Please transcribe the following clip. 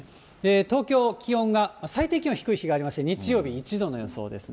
東京、気温が、最低気温、低い日がありまして、日曜日１度の予想ですね。